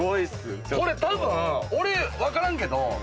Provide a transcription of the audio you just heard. これ多分俺分からんけど。